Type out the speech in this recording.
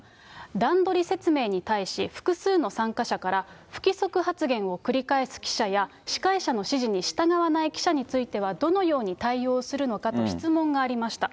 段取り説明に対し、複数の参加者から、不規則発言を繰り返す記者や、司会者の指示に従わない記者については、どのように対応するのかと質問がありました。